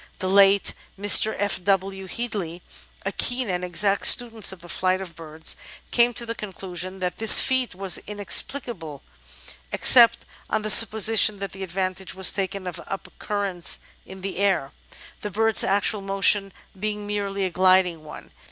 The late Mr. F. W. Headley, a keen and exact student of the flight of birds, came to the conclusion that this feat was inexplicable except on the sup position that advantage was taken of up currents in the air, the bird's actual motion being merely a gliding one.